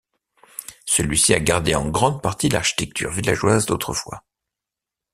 Celui-ci a gardé en grande partie l'architecture villageoise d'autrefois.